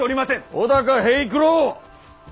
尾高平九郎。